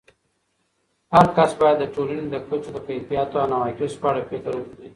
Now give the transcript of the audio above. هرکس باید د ټولنې د کچو د کیفیاتو او نواقصو په اړه فکر وکړي.